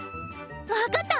分かった！